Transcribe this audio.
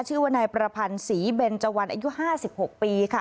ชื่อว่านายประพันธ์ศรีเบนเจวันอายุ๕๖ปีค่ะ